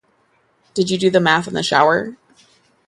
Did you do the math in the shower?